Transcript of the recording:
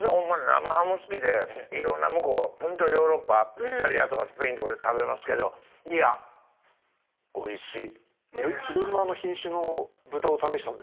生ハム好きでいろんなホントヨーロッパイタリアとかスペインとかで食べますけどいやおいしい。